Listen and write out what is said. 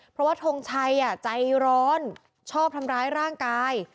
เพราะว่าทงชัยใจร้อนชอบทำร้ายร่างกาย